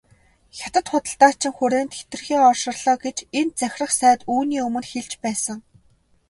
Хятад худалдаачин хүрээнд хэтэрхий олширлоо гэж энэ захирах сайд үүний өмнө хэлж байсан.